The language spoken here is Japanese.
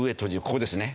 ここですね。